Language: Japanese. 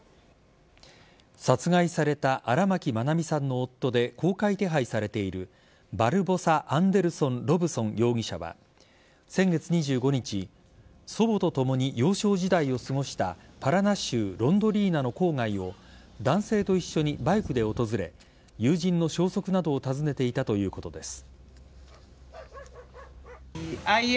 殺害された荒牧愛美さんの夫で公開手配されているバルボサ・アンデルソン・ロブソン容疑者は先月２５日祖母とともに幼少時代を過ごしたパラナ州ロンドリーナの郊外を男性と一緒にバイクで訪れ友人の消息などを尋ねていたということです。